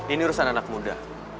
ini urusan anak muda